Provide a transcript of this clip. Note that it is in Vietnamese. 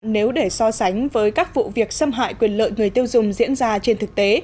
nếu để so sánh với các vụ việc xâm hại quyền lợi người tiêu dùng diễn ra trên thực tế